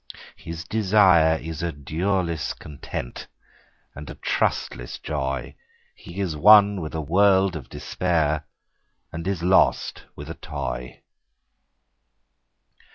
His desire is a dureless content, And a trustless joy ; He is won with a world of despair, And is lost with a toy.